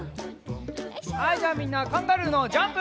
はいじゃあみんなカンガルーのジャンプ！